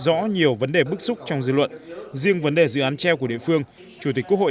rõ nhiều vấn đề bức xúc trong dư luận riêng vấn đề dự án treo của địa phương chủ tịch quốc hội